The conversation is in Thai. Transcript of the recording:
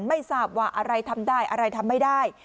ไม่ทราบว่าอะไรทำได้อะไรทำไม่ได้